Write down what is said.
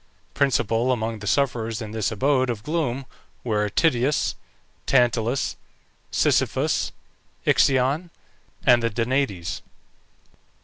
Principal among the sufferers in this abode of gloom were Tityus, Tantalus, Sisyphus, Ixion, and the Danaïdes.